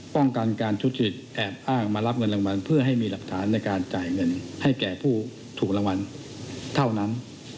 ป้องกันการทุจริตแอบอ้างมารับเงินรางวัลเพื่อให้มีหลักฐานในการจ่ายเงินให้แก่ผู้ถูกรางวัลเท่านั้น